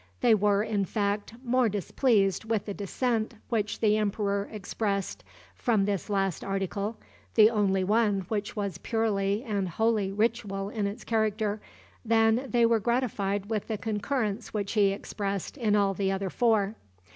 They were, in fact, more displeased with the dissent which the emperor expressed from this last article, the only one that was purely and wholly ritual in its character, than they were gratified with the concurrence which he expressed in all the other four.